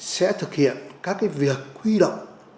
sẽ thực hiện các việc huy động